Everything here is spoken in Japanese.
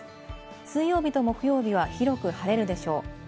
水曜日と木曜日は広く晴れるでしょう。